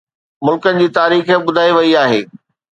ملڪن جي تاريخ ٻڌائي وئي آهي